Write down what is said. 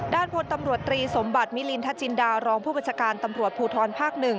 พลตำรวจตรีสมบัติมิลินทจินดารองผู้บัญชาการตำรวจภูทรภาค๑